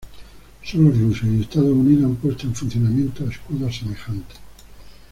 Sólo Rusia y Estados Unidos han puesto en funcionamiento escudos semejantes.